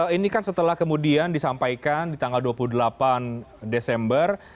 ini kan setelah kemudian disampaikan di tanggal dua puluh delapan desember